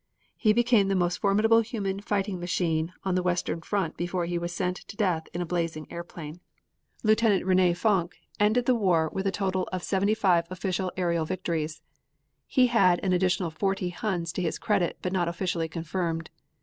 He became the most formidable human fighting machine on the western front before he was sent to death in a blazing airplane. Lieut. Rene Fonck ended the war with a total of seventy five official aerial victories. He had an additional forty Huns to his credit but not officially confirmed.